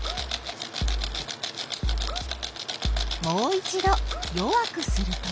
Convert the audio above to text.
もう一ど弱くすると？